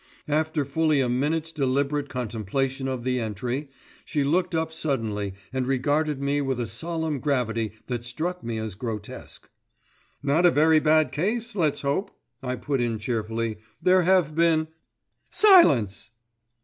After fully a minute's deliberate contemplation of the entry, she looked up suddenly and regarded me with a solemn gravity that struck me as grotesque. "Not a very bad case, let's hope," I put in cheerfully. "There have been——" "Silence!"